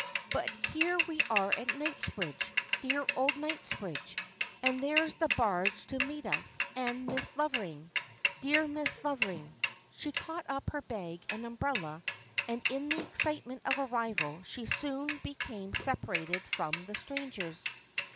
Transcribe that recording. But here we are at Kingsbridge, dear old Kingsbridge, and there's the barge to meet us, and Miss Lovering. Dear Miss Lov ering !" She caught up her bag and umbrella and in the excitement of arrival she soon became separated from the strangers.